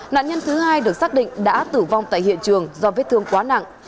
nạn nhân thứ hai được xác định đã tử vong tại hiện trường do vết thương quá nặng